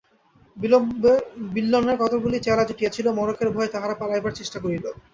বিল্বনের কতকগুলি চেলা জুটিয়াছিল, মড়কের ভয়ে তাহারা পালাইবার চেষ্টা করিল।